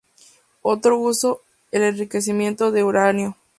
Otro uso es el enriquecimiento de uranio.